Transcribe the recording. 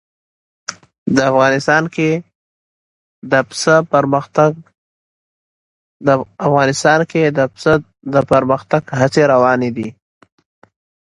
افغانستان کې د پسه د پرمختګ هڅې روانې دي.